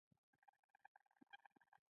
څو ورځې وروسته یې کابل ته واستاوه.